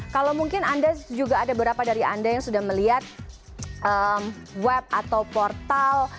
kalau mungkin anda juga ada beberapa dari anda yang sudah melihat web atau portal